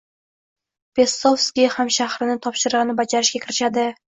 Pestkovskiy hamshahrini topshirig‘ini bajarishga kirishadi.